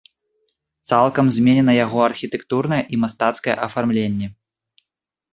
Цалкам зменена яго архітэктурнае і мастацкае афармленне.